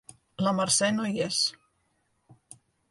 La Mercè no hi és.